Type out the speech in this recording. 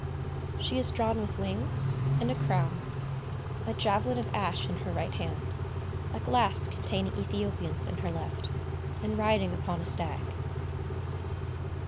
She is drawn with wings, and a crown; a javelin of ash in her right hand; a glass containing Ethiopians in her left; and riding upon a stag.